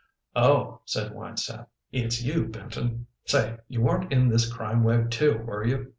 "Oh," said Winesap, "it's you, Benton. Say, you weren't in this crime wave, too, were you?